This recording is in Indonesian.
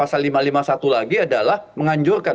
pasal lima ratus lima puluh satu lagi adalah menganjurkan